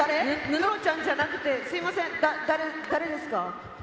布ちゃんじゃなくてすみません誰ですか？